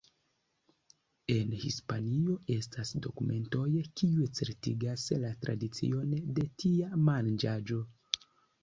En Hispanio estas dokumentoj kiuj certigas la tradicion de tia manĝaĵo.